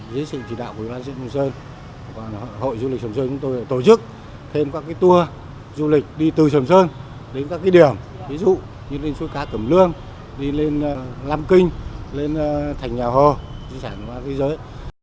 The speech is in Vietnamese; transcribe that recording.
ví dụ như lên sôi cá cẩm lương đi lên lam kinh lên thành nhà hồ di sản qua thế giới